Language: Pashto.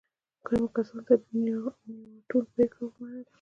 ګرمو کسانو د نياوتون پرېکړه ومنله.